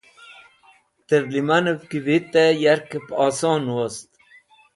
Tẽr lẽmanẽv ki vitẽ yarkẽb oson wost.